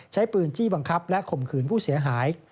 ใช้ปืนจี้บังคับและข่มขืนผู้เสียหาย